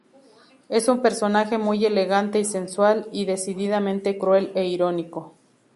Es un personaje muy elegante y sensual, y decididamente cruel e irónico.